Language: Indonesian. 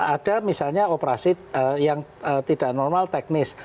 ada misalnya operasi yang tidak normal teknis